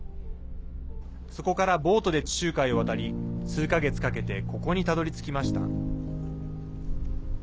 そこからボートで地中海を渡り数か月かけてここにたどりつきました。